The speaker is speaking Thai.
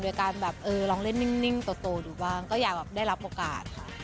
โดยการลองเล่นนิ่งโตอยู่บ้างก็อยากได้รับโอกาส